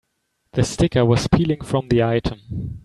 The sticker was peeling from the item.